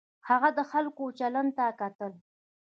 هغه د خلکو چلند ته کتل.